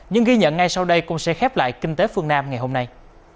những ghi nhận ngay sau đây cũng sẽ khép lại kinh tế phương nam ngày hôm nay